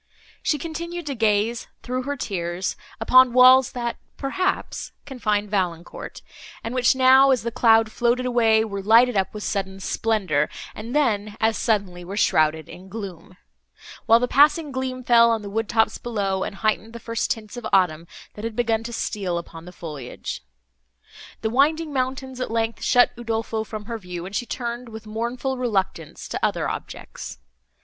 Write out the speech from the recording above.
She continued to gaze, through her tears, upon walls that, perhaps, confined Valancourt, and which now, as the cloud floated away, were lighted up with sudden splendour, and then, as suddenly were shrouded in gloom; while the passing gleam fell on the wood tops below, and heightened the first tints of autumn, that had begun to steal upon the foliage. The winding mountains, at length, shut Udolpho from her view, and she turned, with mournful reluctance, to other objects.